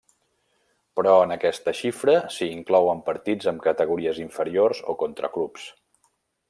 Però, en aquesta xifra s'hi inclouen partits amb categories inferiors o contra clubs.